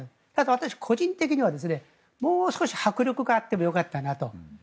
私個人的にはもう少し迫力があってもよかったなと。